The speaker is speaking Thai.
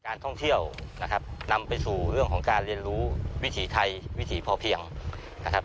ท่องเที่ยวนะครับนำไปสู่เรื่องของการเรียนรู้วิถีไทยวิถีพอเพียงนะครับ